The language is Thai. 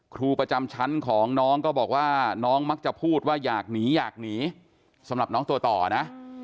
ครูประจำชั้นของน้องก็บอกว่าน้องมักจะพูดว่าอยากหนีอยากหนีสำหรับน้องตัวต่อนะ